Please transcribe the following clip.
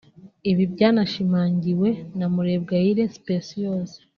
Ibi byanashimangiwe na Murebwayire Speciose